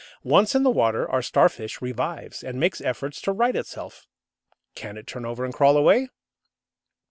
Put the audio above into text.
Once in the water our Starfish revives, and makes efforts to right itself. Can it turn over and crawl away?